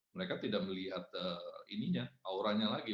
mereka tidak melihat ininya auranya lagi